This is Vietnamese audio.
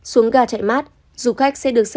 xuống ga chạy mát du khách sẽ được